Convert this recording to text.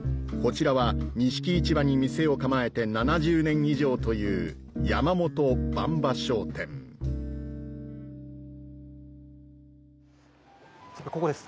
こちらは錦市場に店を構えて７０年以上という「山元馬場商店」先輩